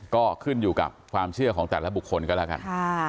ก็ขึ้นอยู่กับความเชื่อของแต่ละบุคคลก็แล้วกัน